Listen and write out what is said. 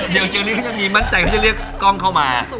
เดี๋ยวเชอรี่ก็จะมีมันใจที่จะเลือกกล้องเขามา